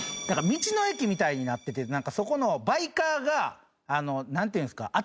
だから道の駅みたいになっててなんかそこのバイカーがなんていうんですか。